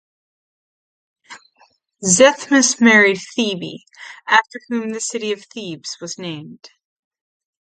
Zethus married Thebe, after whom the city of Thebes was named.